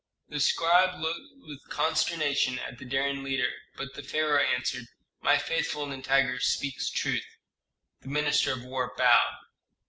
The scribe looked with consternation at the daring leader, but the pharaoh answered, "My faithful Nitager speaks truth." The minister of war bowed.